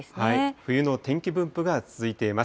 冬の天気分布が続いています。